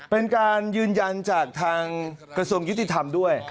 เป็นการยืนยันจากทางกระทรวงยุติธรรมด้วย